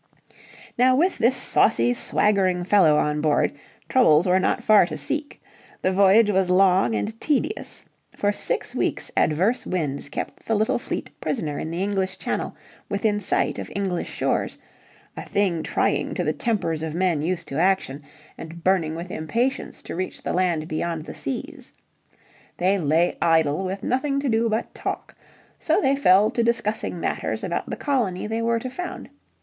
Now with this saucy, swaggering fellow on board, troubles were not far to seek. The voyage was long and tedious. For six weeks adverse winds kept the little fleet prisoner in the English Channel within sight of English shores, a thing trying to the tempers of men used to action, and burning with impatience to reach the land beyond the seas. They lay idle with nothing to do but talk. So they fell to discussing matters about the colony they were to found.